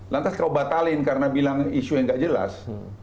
lantas kamu batalin karena bilang isu yang gak jelas